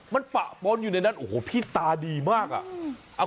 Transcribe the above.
มันปะปนอยู่ในนั้นโอ้โหพี่ตาดีมากอ่ะ